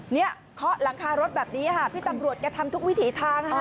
เนี้ยเคาะหลังคารถแบบนี้ฮะพี่ตำรวจจะทำทุกวิถีทางฮะ